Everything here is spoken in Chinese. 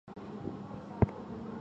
因善于文笔的事而出名。